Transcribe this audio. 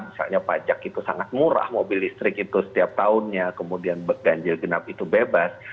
misalnya pajak itu sangat murah mobil listrik itu setiap tahunnya kemudian ganjil genap itu bebas